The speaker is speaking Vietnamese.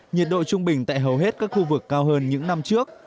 nhiệt độ trung bình tại hầu hết các khu vực cao hơn những năm trước